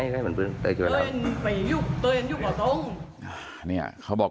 ขอบอกว่าเขาก็ห้ามแล้วเป้นอยู่ว่าข้าบอก